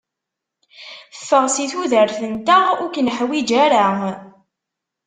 Ffeɣ si tudert-nteɣ, ur k-nuḥwaǧ ara.